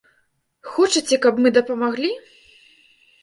Хочаце каб мы дапамаглі?